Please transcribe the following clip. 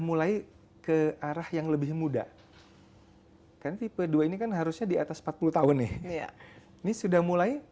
mulai ke arah yang lebih muda kan tipe dua ini kan harusnya di atas empat puluh tahun nih ini sudah mulai